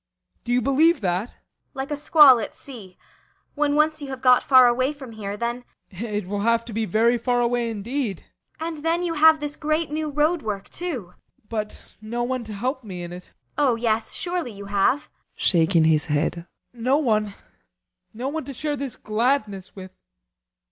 Do you believe that? ASTA. Like a squall at sea. When once you have got far away from here, then BORGHEIM. It will have to be very far away indeed. ASTA. And then you have this great new road work, too. BORGHEIM. But no one to help me in it. ASTA. Oh yes, surely you have. BORGHEIM. [Shaking his head.] No one. No one to share the gladness with.